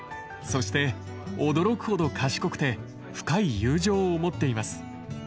そして驚くほど賢くて深い友情を持っています。